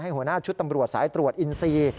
หัวหน้าชุดตำรวจสายตรวจอินซี